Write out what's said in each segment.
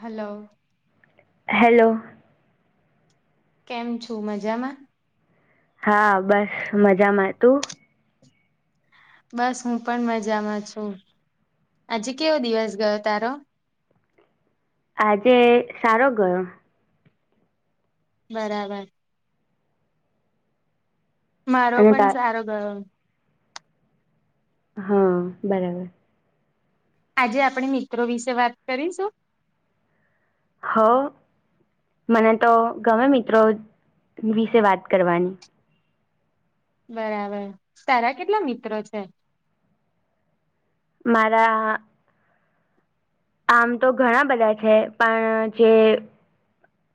Hello. Hello. કેમ છો મજામાં. હા બસ મજામાં તું. બસ હું પણ મજામાં છું આજે કેવો દિવસ ગયો તારો આજે સારો ગયો. બરાબર. મારો અને પણ તા સારો ગયો. હા બરાબર. આજે આપણે મિત્રો વિશે વાત કરીશું. હોવ મને તો ગમે મિત્રો વિશે વાત કરવાની. બરાબર તારા કેટલા મિત્ર છે. મારા. આમ તો ઘણા બધા છે પણ જે.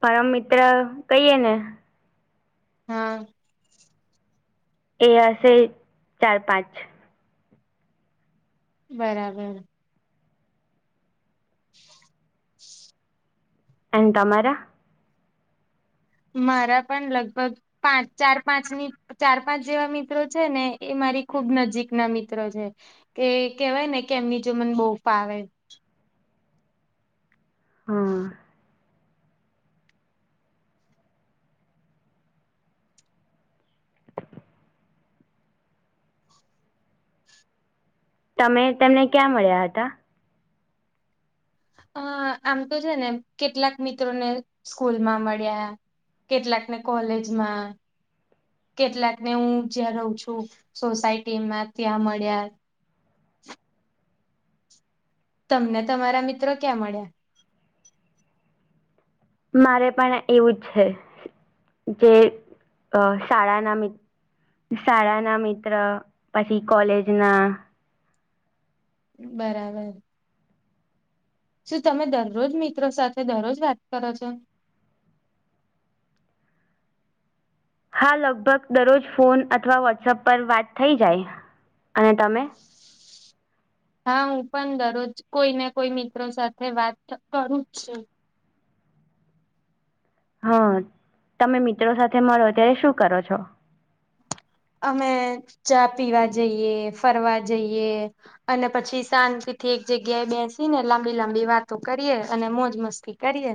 પરમ મિત્ર કઈએ ને. હા. એ હશે ચાર પાંચ. બરાબર. [unintelligible] એન તમા તમારા. મારા પણ લગભગ પાંચ ચાર પાંચ ની. ચાર પાંચ જેવા મિત્રો છે ને એ મારી ખુબ નજીક ના મિત્રો છે. કે કહેવાય ને કે એમની જમન બહુ ફાવેે. હમ. [unintelligible] તમે તેમને ક્યાં મળ્યા હતા. અ આમ તો છે ને કેટલાક મિત્રોને સ્કૂલ માં મળ્યા. કેટલાક ને કોલેજમાં. કેટલાક ને હું જ્યાં રહું છું સોસાયટીમાં ત્યાં મળ્યા. તમને તમારા મિત્રો ક્યાં મળ્યા. મારે પણ એવું જ છે જે શાળાના મિત. શાળા ના મિત્ર પછી કોલેજ ના. બરાબર. શું તમે દરરોજ મિત્રો સાથે દરરોજ વાત કરો છો. હા લગભગ દરરોજ ફોન અથવા વોટ્સઅપ પર વાત થઈ જાય અને તમે. હા હું પણ દરરોજ કોઈને કોઈ મિત્રો સાથે વાત કરું જ છું. હા તમે મિત્રો સાથે મળો ત્યારે શું કરો છો. અમે ચા પીવા જઈએ ફરવા જઈએ. અને પછી શાંતિથી એક જગ્યાએ બેસી ને લાંબી લાંબી વાતો કરીએ અને મોજ મસ્તી કરીએ.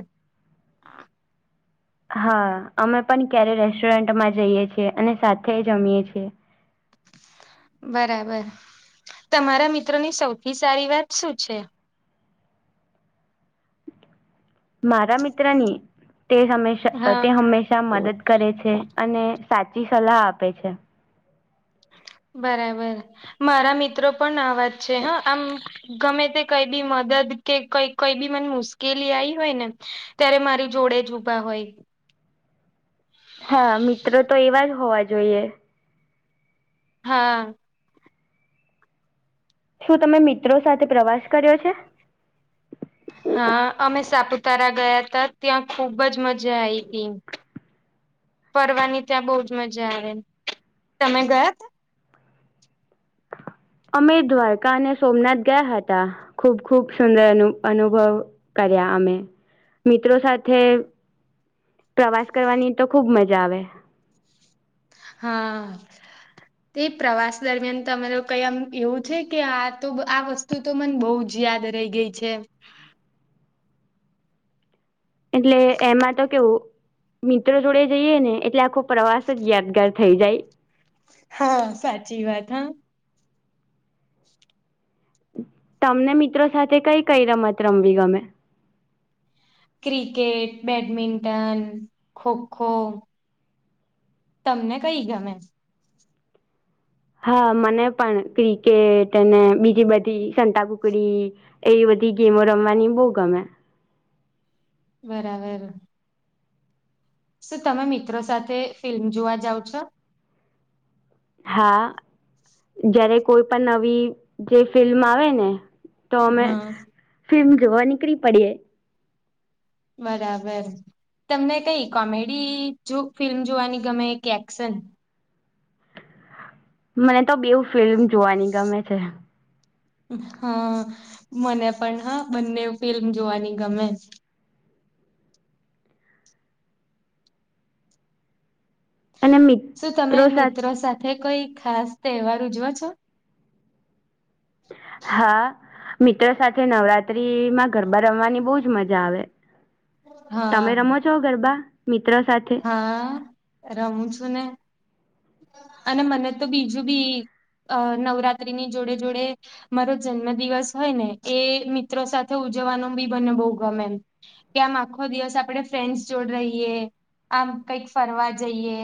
હા અમે પણ ક્યારે રેસ્ટોરન્ટમાં જઈએ છીએ અને સાથે જમીએ છીએ. બરાબર તમારા મિત્રોની સૌથી સારી વાત શું છે. મારા મિત્રની તે હમેશા હા તે હંમેશા મદદ. કરે છે અને સાચી સલાહ આપે છે. બરાબર મારા મિત્રો પણ અવાજ છે હ આમ. ગમે તે કઈ બી મદદ કે કઈ કઈ બી મને મુશ્કેલી આઈ હોય ને. ત્યારે મારી જોડે જ ઊભા હોય. હા મિત્રો તો એવા જ હોવા જોઈએ. હા. શું તમે મિત્રો સાથે પ્રવાસ કર્યો છે. હા અમે સાપુતારા ગયા તા ત્યાં ખુબ જ મજા આઈ હતી. ફરવાની ત્યાં બહુજ મજા આવે તમે ગયા તા. અમે દ્વારકા અને સોમનાથ ગયા હતા ખુબ ખુબ સુંદર અનુ અનુભવ. કર્યા અમે મિત્રો સાથે. પ્રવાસ કરવાની તો ખુબ મજા આવે. હા. તે પ્રવાસ દરમિયાન તમે લોકો એ આમ એવું છે કે આ તો આ વસ્તુ તો મને બો જ જી યાદ રય ગઈ છે. એટલે એમાં તો કેવું મિત્રો જોડે જઈએ ને એટલે આખો પ્રવાસ જ યાદગાર થઈ જાય. હા સાચી વાત હા. તમને મિત્રો સાથે કઈ કઈ રમત રમવી ગમે? Cricket, badminton, kho kho. તમને કઈ ગમે? હા મને પણ ક્રિકેટ અને બીજી બધી સતાકુકડી. એવી બધી ગેમો રમવાની બો ગમે. બરાબર. શું તમે મિત્રો સાથે ફિલ્મ જોવા જાવ છો? હા જયારે કોઈ પણ નવી જે ફિલ્મ આવે ને તો અમે હા ફિલ્મ જોવા નીકળી પડીયે. બરાબર. તમને કઈ કોમેડી જો ફિલ્મ જોવાની ગમે કે એક્શન? મને તો બેવ ફિલ્મ જોવાની ગમે છે. હા મને પણ હા બંને ફિલ્મ જોવાની ગમે. અને શું તમે મિત્રો સાથે મિત્રો સાથે કોઈ ખાસ તહેવાર ઉજવો છો? હા. મિત્રો સાથે નવરાત્રીમાં ગરબા રમવાની બો જ મજા આવે. હા તમે રમો છો ગરબા મિત્રો સાથે? હા રમું છું ને અને મને તો બીજું બી અ નવરાત્રી ની જોડે જોડે મારો જન્મ દિવસ હોય ને એ મિત્રો સાથે ઉજવવાનો બી મને બો ગમે. કે આમ આખો દિવસ આપણે ફ્રેન્ડસ જોડે રહીયએ, આમ કઈક ફરવા જઈએ.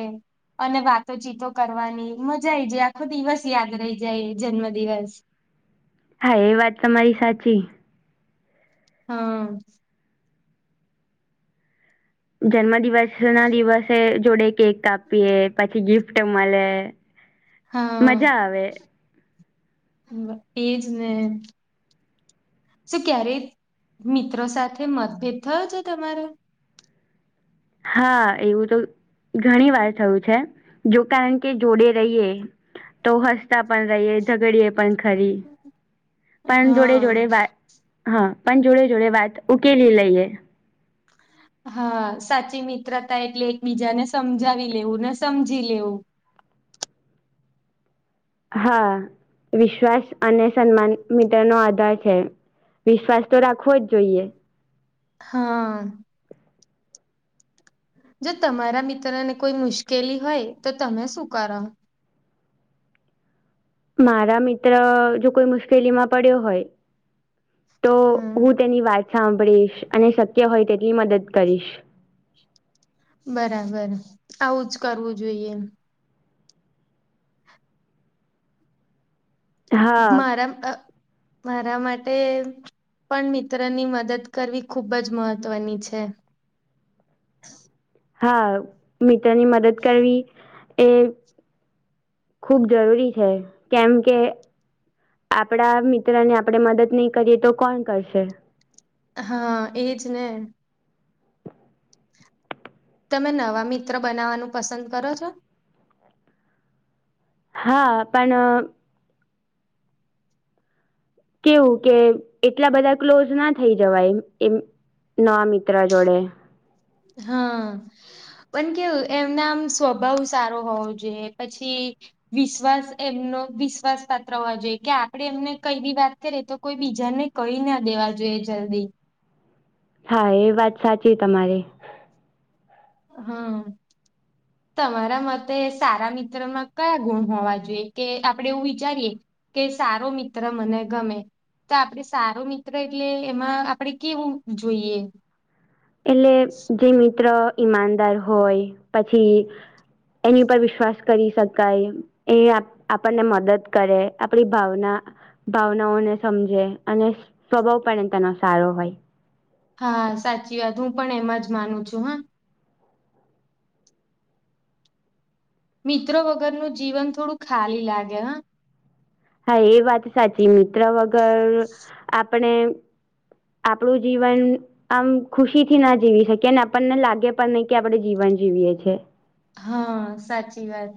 અને વાતોચીતો કરવાની, મજા આવીઈ જાય. આખો દિવસ યાદ રહી જાય જન્મ દિવસ. હા એ વાત તમારી સાચી. હા. જન્મ દિવસ ના દિવસે જોડે કેક કાપયે પછી ગિફ્ટ મલે હા મજા આવે. એજ ને. શું ક્યારેક મિત્રો સાથે મતભેદ થયો છે તમારો? હા એવું તો ઘણી વાર થયું છે. જો કારણ કે જોડે રહીએ તો હસતા પણ રહીએ, ઝગડીએે પણ પણ ખરી પણ જોડે જોડે હા વાત હા પણ જોડે જોડે વાત ઉકેલી લઈએ. હા સાચી મિત્રતા એટલે એકબીજાને સમજાવી લેવું ને, સમજી લેવું. હા. વિશ્વાસ અને સન્માન મિત્ર નો આધાર છે. વિશ્વાસ તો રાખવો જ જોઈએ. હા. જો તમારા મિત્ર ને કોઈ મુશ્કેલી હોય તો તમે શું કરો? મારા મિત્ર જો કોઈ મુશ્કેલી માં પડ્યો હોય તો હમ હું તેની વાત સાંભળીશ અને શક્ય હોય તેટલી મદદ કરીશ. બરાબર આવું જ કરવું જોઈએ. હા મારા અહ મારા માટે પણ મિત્રની મદદ કરવી ખુબ જ મહત્વની છે. હા મિત્રની મદદ કરવી એ ખૂબ જરૂરી છે કેમ કે આપડા મિત્ર ને આપડે મદદ નહી કરીએ તો કોણ કરશે? હા, એજ ને. તમે નવા મિત્ર બનાવવાનું પસંદ કરો છો? હા, પણ અહ કેવું કે એટલા બધા ક્લોઝ ના થઈ જવાય એમ નવા મિત્ર જોડે. હા. પણ કેવું એમના આમ સ્વભાવ સારો હોવો જોઈએ પછી વિશ્વાસ એમનો વિશ્વાસ પાત્ર હોવા જોઈએ કે આપડે એમને કઈ બી વાત કરીએ તો કોઈ બીજાને કઈ ના દેવા જોઈએ જલ્દી. હા, એ વાત સાચી તમારી. હા. તમારા મતે સારા મિત્રમાં કયા ગુણ હોવા જોઈએ કે આપડે એવું વિચારીએ કે સારો મિત્ર મને ગમે. તો આપડે સારો મિત્ર એટલે એમાં આપડે કેવું જોઈએ? એટલે જે મિત્ર ઈમાનદાર હોય પછી એની પર વિશ્વાસ કરી શકાય. એ આપ-આપનને મદદ કરે આપડી ભાવના ભાવનાઓને સમજે અને સ્વભાવ પણ તેનો સારો હોય. હા, સાચી વાત હું પણ એમાં જ માનું છું હ. મિત્રો વગરનું જીવન થોડું ખાલી લાગે હ. હા, એ વાત સાચી મિત્ર વગર આપણે આપણું જીવન આમ ખુશી થી ના જીવી શકીએ આપનને લાગે પણ નહી કે આપડે જીવન જીવીએ છે. હા, સાચી વાત.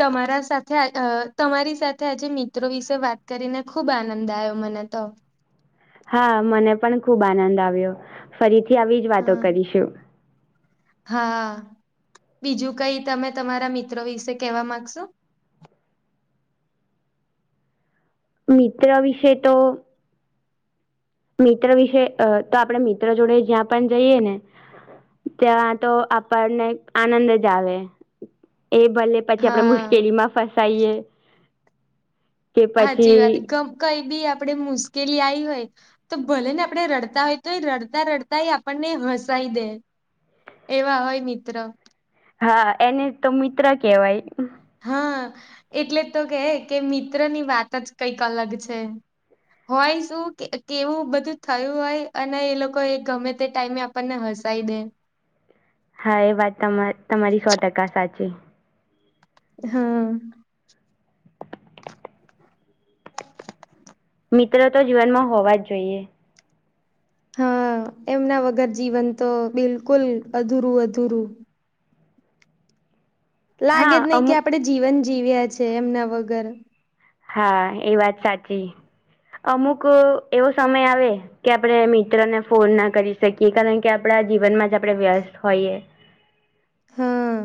તમારા સાથે અહ તમારી સાથે આજે મિત્રો વિશે વાત કરીને ખુબ આનંદ આવ્યો મને તો. હા, મને પણ ખુબ આનંદ આવ્યો. ફરીથી આવી જ વાતો હા કરીશું. હા, બીજું કઈ તમે તમારા મિત્રો વિશે કેવા માંગશો? મિત્ર વિશે તો મિત્ર વિશે અહ તો આપડે મિત્ર જોડે જ્યાં પણ જઈએ ને ત્યાં તો આપણને આનંદ જ આવે એ ભલે પછી આપડે હા મુશ્કેલીમાં ફસાઈએ કે હાચી પછી વાત ગપ કઈ બી આપડે મુશ્કેલી આઈ હોય તો ભલે ને આપડે રડતા હોય તો એ રડતા રડતા એ આપણને હસાઈ દે. એવા હોય મિત્ર. હા, એને તો મિત્ર કેવાય. હા, એટલે તો કે કે મિત્ર ની વાત જ કઈક અલગ છે. હોય શું કે કેવું બધું થયું હોય અને એ લોકો એ ગમે તે ટાઈમે પને હસાઈ દે હા, એ વાત તમા તમારી સો ટકા સાચી. હમ્મ. મિત્રો તો જીવનમાં હોવા જ જોઈએ. હા એમના વગર જીવન તો બિલકુલ અધૂરું અધૂરું લાગે જ હા નહી કે અમુક આપડે જીવન જીવ્યા છે એમના વગર હા એ વાત સાચી અમુક એવો સમય આવે કે આપડે મિત્રને ફોન ના કરી શકીએ કારણ કે આપડા જીવનમાં જ આપડે વ્યસ્ત હોઈએ. હમ્મ.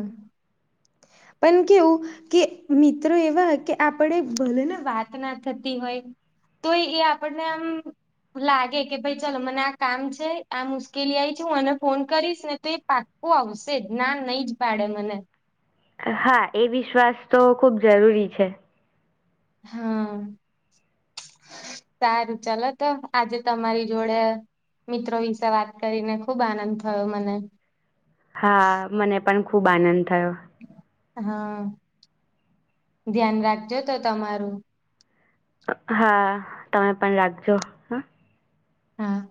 પણ કેવું કે મિત્રો એવા કે આપડે ભલે ને વાત ના થતી હોય તોય એ આપણને આમ લાગે કે ભાઈ ચાલ મને આ કામ છે આ મુશ્કેલી આઈ છે હું આને ફોન કરીશ ને તે પાકો આવશે જ ના નહી જ પાડે મને હા એ વિશ્વાસ તો ખુબ જરૂરી છે. - હા સારું ચાલ તો આજે તમારી જોડે મિત્રો વિશે વાત કરીને ખુબ આનંદ થયો મને. હા મને પણ ખૂબ આનંદ થયો. - હા ધ્યાન રાખજો તો તમારું. હા તમે પણ રાખજો હ હા